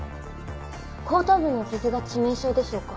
後頭部の傷が致命傷でしょうか？